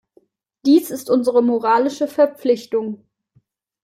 Dies ist unsere moralische Verpflichtung.